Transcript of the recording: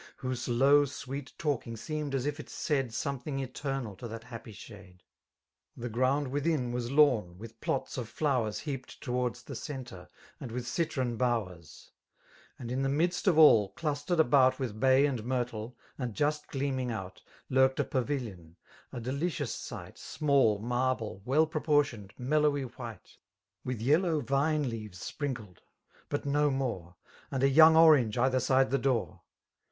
Whose low sweet talking seemed as if it said Something eternal to that happy shade : m The gfottttd.inthiii was lawn> with plots of flowert Heaped towards ^becentre, and with citron bowen % And in l^e midrt of all» dnstered about With bay and myrde^ and just gleaming out> Lurked a paTiiion, * a deMcioua sights Smal]> marble^ weIl propoftioBftd> mellowy white^ With yellow vine leaves spEinkled^*^but no more,^^ And a young orange either side the door.